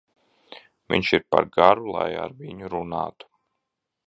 Viņš ir par garu, lai ar viņu runātu.